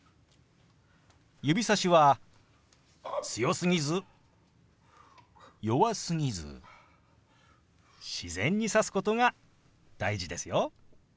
指さしは強すぎず弱すぎず自然に指すことが大事ですよ。